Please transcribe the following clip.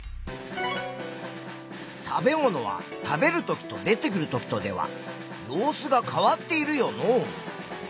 食べ物は食べるときと出てくるときとでは様子が変わっているよのう。